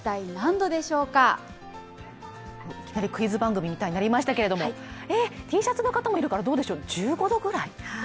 いきなりクイズ番組みたいになりましたけれども、Ｔシャツの方もいるからどうでしょう、１５度くらい？